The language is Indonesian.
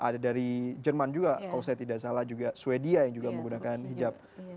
ada dari jerman juga kalau saya tidak salah juga sweden yang juga menggunakan hijab